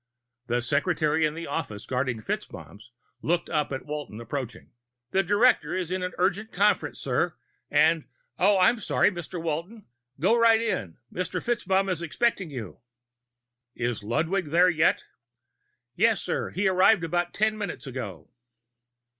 The secretary in the office guarding FitzMaugham's looked up as Walton approached. "The director is in urgent conference, sir, and oh, I'm sorry, Mr. Walton. Go right in; Mr. FitzMaugham is expecting you." "Is Mr. Ludwig here yet?" "Yes, sir. He arrived about ten minutes ago."